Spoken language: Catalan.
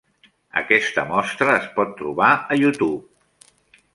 Aquesta mostra es pot trobar a YouTube.